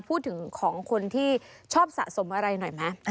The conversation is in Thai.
พูดถึงของคนที่ชอบสะสมอะไรหน่อยไหม